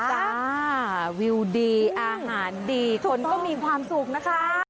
วิวดีอาหารดีคนก็มีความสุขนะคะ